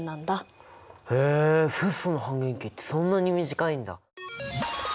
へえフッ素の半減期ってそんなに短いんだ！